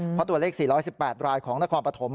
เพราะตัวเลข๔๑๘รายของนครปฐม